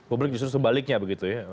publik justru sebaliknya begitu ya